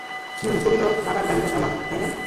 হুম, তুমি তো বাবার গাড়িটা চালাও, তাই না?